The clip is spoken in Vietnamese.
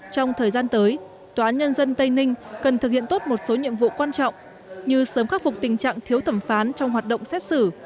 trong thời gian tới tòa nhân dân tây ninh cần thực hiện tốt một số nhiệm vụ quan trọng như sớm khắc phục tình trạng thiếu thẩm phán trong hoạt động xét xử